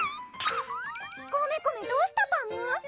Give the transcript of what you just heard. コメコメどうしたパム？